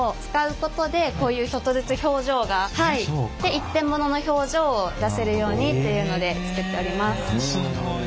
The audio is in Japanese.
一点物の表情を出せるようにというので作っております。